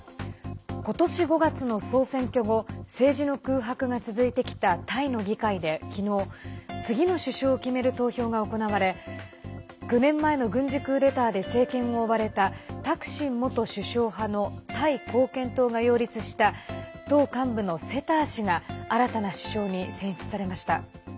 今年５月の総選挙後政治の空白が続いてきたタイの議会で昨日次の首相を決める投票が行われ９年前の軍事クーデターで政権を追われたタクシン元首相派のタイ貢献党が擁立した党幹部のセター氏が新たな首相に選出されました。